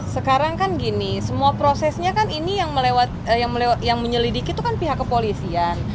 sekarang kan gini semua prosesnya kan ini yang menyelidiki itu kan pihak kepolisian